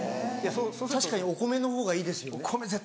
確かにお米のほうがいいですよね。